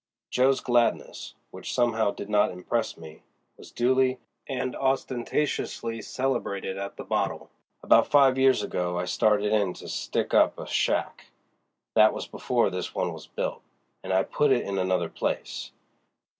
Jo.'s gladness, which somehow did not impress me, was duly and ostentatiously celebrated at the bottle. "About five years ago I started in to stick up a shack. That was before this one was built, and I put it in another place.